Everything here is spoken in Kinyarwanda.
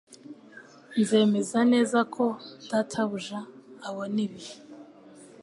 Nzemeza neza ko data buja abona ibi